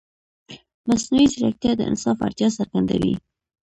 مصنوعي ځیرکتیا د انصاف اړتیا څرګندوي.